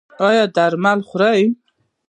ایا درمل خورئ؟